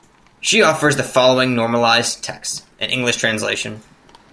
She offers the following normalized text and English translation.